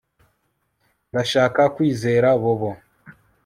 Ndashaka kwizera Bobo